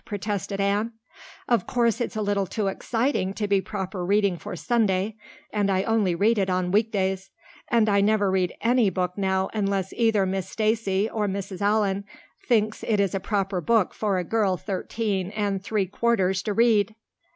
protested Anne. "Of course it's a little too exciting to be proper reading for Sunday, and I only read it on weekdays. And I never read any book now unless either Miss Stacy or Mrs. Allan thinks it is a proper book for a girl thirteen and three quarters to read.